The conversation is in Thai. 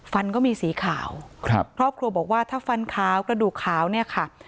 ก็มีสีขาวครับครอบครัวบอกว่าถ้าฟันขาวกระดูกขาวเนี่ยค่ะ